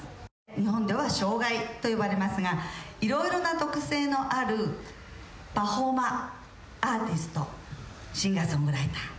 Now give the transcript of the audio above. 日本では「障害」と呼ばれますが色々な特性のあるパフォーマーアーティストシンガーソングライター